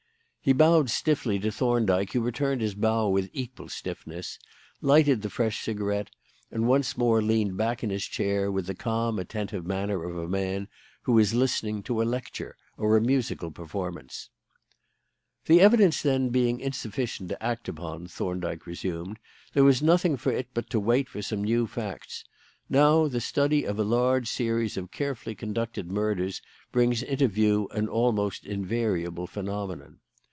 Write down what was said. He bowed stiffly to Thorndyke (who returned his bow with equal stiffness), lighted the fresh cigarette, and once more leaned back in his chair with the calm, attentive manner of a man who is listening to a lecture or a musical performance. "The evidence, then, being insufficient to act upon," Thorndyke resumed, "there was nothing for it but to wait for some new facts. Now, the study of a large series of carefully conducted murders brings into view an almost invariable phenomenon.